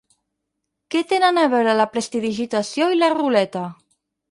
Què tenen a veure la prestidigitació i la ruleta?